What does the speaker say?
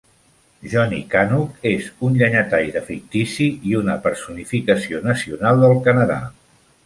Johnny Canuck és un llenyataire fictici i una personificació nacional del Canadà.